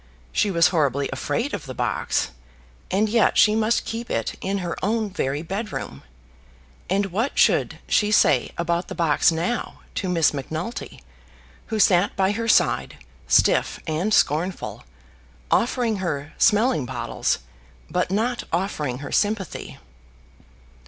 She was horribly afraid of the box, and yet she must keep it in her own very bed room. And what should she say about the box now to Miss Macnulty, who sat by her side, stiff and scornful, offering her smelling bottles, but not offering her sympathy?